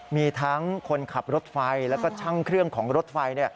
มีทั้งคนขับรถไฟแล้วก็ช่างเครื่องของรถไฟ